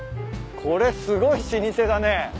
これすごい老舗だね。